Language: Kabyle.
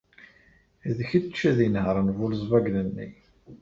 D kečč ad inehṛen Volkswagen-nni.